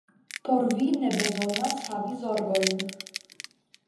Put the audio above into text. Por vi ne bezonas havi zorgojn.